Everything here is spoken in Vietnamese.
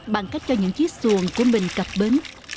bằng cách cho những chiếc xuồng của mình cập bến